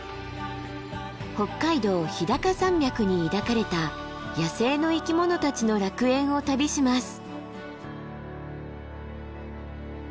北海道日高山脈に抱かれた野生の生き物たちの楽園を旅します。